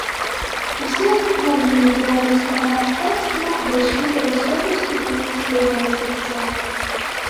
Усе галіны беларускага мастацтва дайшлі да высокіх ступеней свайго развіцця.